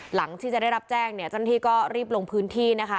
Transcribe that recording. หลังที่จะได้รับแจ้งเนี่ยเจ้าหน้าที่ก็รีบลงพื้นที่นะคะ